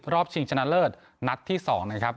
๒๐๒๐รอบชิงชนะเลิศนัดที่๒นะครับ